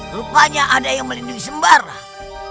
rupanya ada yang melindungi sembarang